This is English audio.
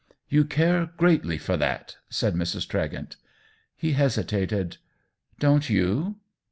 "You care greatly for that," said Mrs. Tregent. He hesitated. " Dont you